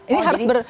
ini harus ber